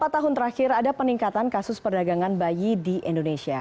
empat tahun terakhir ada peningkatan kasus perdagangan bayi di indonesia